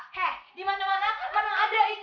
hei dimana mana mana ada istri yang suka jadi kebelu